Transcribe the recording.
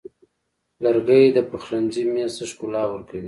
لرګی د پخلنځي میز ته ښکلا ورکوي.